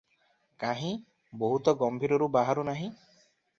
କାହିଁ, ବୋହୂ ତ ଗମ୍ଭୀରୀରୁ ବାହାରୁ ନାହିଁ?